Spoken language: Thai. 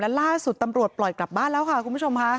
และล่าสุดตำรวจปล่อยกลับบ้านแล้วค่ะคุณผู้ชมค่ะ